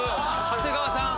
長谷川さん。